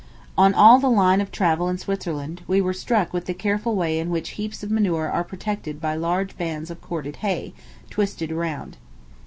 On all the line of travel in Switzerland, we were struck with the careful way in which heaps of manure are protected by large bands of corded hay, twisted around.